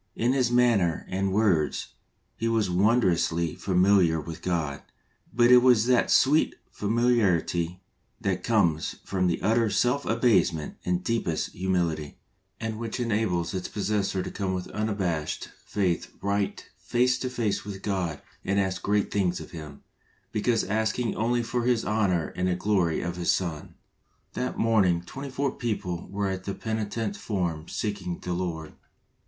In his manner and words he was wondrously familiar with God, but it was that sweet familiarity that comes from utter self abasement and deepest humility, and which enables WRESTLERS WITH GOD. S9 its possessor to come with unabashed faith right face to face with God and ask great things of Him, because asking only for His honour and the glory of His Son. That morning twenty four people were at the penitent form seeking the Lord